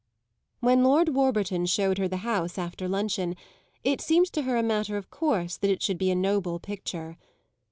When Lord Warburton showed her the house, after luncheon, it seemed to her a matter of course that it should be a noble picture.